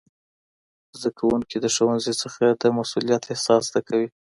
زدهکوونکي د ښوونځي څخه د مسئولیت احساس زده کوي.